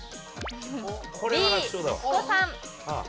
Ｂ・息子さん。